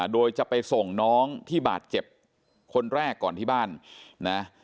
โดยจะไปส่งน้องที่บาดเจ็บคนแรกก่อนที่บ้านนะ